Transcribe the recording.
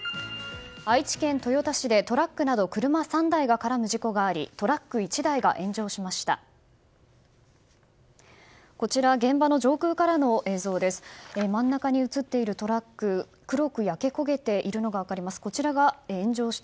愛知県豊田市で、トラックなど車３台が絡む事故がありトラック１台が炎上しました。